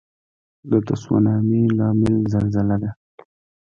د تسونامي لامل زلزله ده.